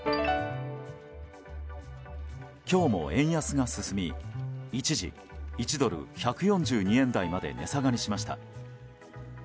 今日も円安が進み一時１ドル＝１４２円台まで値下がりしました。